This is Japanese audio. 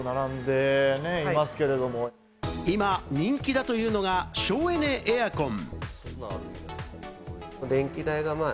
今、人気だというのが、省エネエアコン。